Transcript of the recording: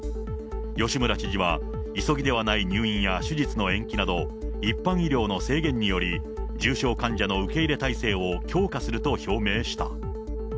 吉村知事は、急ぎではない入院や手術の延期など、一般医療の制限により、重症患者の受け入れ態勢を強化すると表明した。